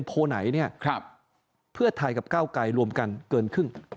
เพื่อไทยกับเก้าใกรรวมกันเกินครึ่ง